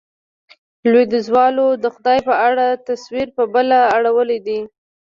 لوېديځوالو د خدای په اړه تصور، په بله اړولی دی.